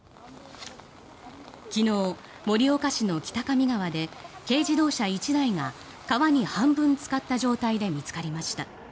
昨日、盛岡市の北上川で軽自動車１台が川に半分つかった状態で見つかりました。